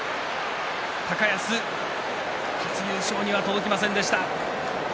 高安、初優勝には届きませんでした。